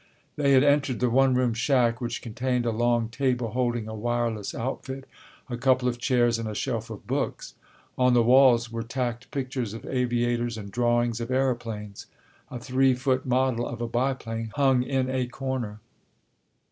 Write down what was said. They had entered the one room shack which contained a long table holding a wireless outfit, a couple of chairs and a shelf of books. On the walls were tacked pictures of aviators and drawings of aeroplanes. A three foot model of a biplane hung in a corner.